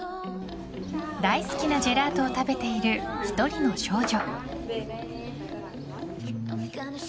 大好きなジェラートを食べている１人の少女。